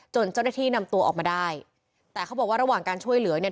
เจ้าหน้าที่นำตัวออกมาได้แต่เขาบอกว่าระหว่างการช่วยเหลือเนี่ย